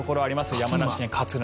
山梨県勝沼。